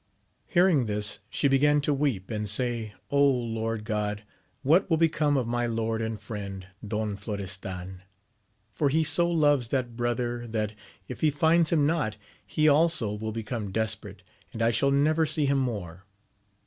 Hearing this, she began to weep, and say, Lord God, what will become of my lord and friend, Don Florestan ! for he so loves that brother, that, if he finds him not, he also will become desperate, and I shall never see him more